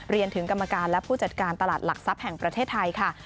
ถึงกรรมการและผู้จัดการตลาดหลักทรัพย์แห่งประเทศไทยค่ะ